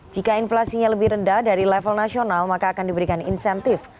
jika inflasinya lebih rendah dari level nasional maka akan diberikan insentif